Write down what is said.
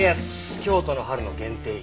京都の春の限定品。